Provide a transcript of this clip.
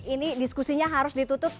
ini diskusinya harus ditutup